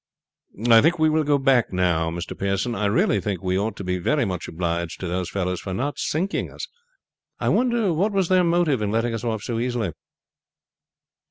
"I think we will go back now, Mr. Pearson. I really think we ought to be very much obliged to those fellows for not sinking us. I wonder what was their motive in letting us off so easily?"